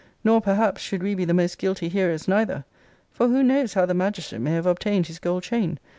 Nor perhaps should we be the most guilty heroes neither: for who knows how the magistrate may have obtained his gold chain?